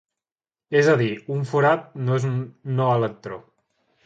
És a dir, un forat no és un no electró.